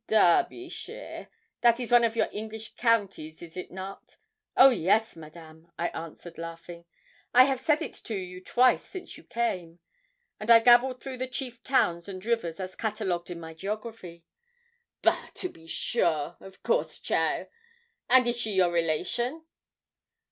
'Derbyshire that is one of your English counties, is it not?' 'Oh yes, Madame,' I answered, laughing. 'I have said it to you twice since you came;' and I gabbled through the chief towns and rivers as catalogued in my geography. 'Bah! to be sure of course, cheaile. And is she your relation?'